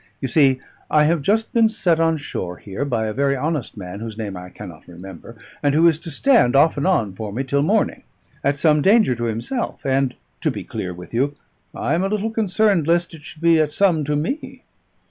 "You see, I have just been set on shore here by a very honest man, whose name I cannot remember, and who is to stand off and on for me till morning, at some danger to himself; and, to be clear with you, I am a little concerned lest it should be at some to me.